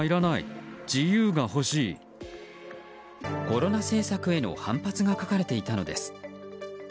コロナ政策への反発が書かれていたのです。